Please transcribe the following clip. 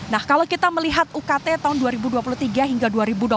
nah kalau kita melihat ukt tahun dua ribu dua puluh tiga hingga dua ribu dua puluh satu